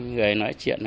người nói chuyện